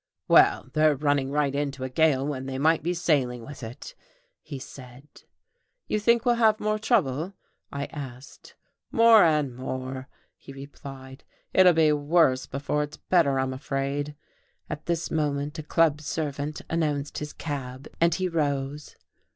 "Well, they're running right into a gale when they might be sailing with it," he said. "You think we'll have more trouble?" I asked. "More and more," he replied. "It'll be worse before it's better I'm afraid." At this moment a club servant announced his cab, and he rose.